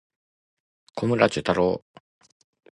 小村寿太郎